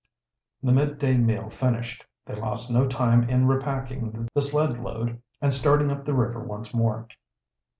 The midday meal finished, they lost no time in repacking the sled load and starting up the river once more.